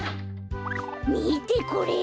みてこれ！